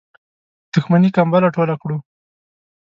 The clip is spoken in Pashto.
دښمنی کمبله ټوله کړو.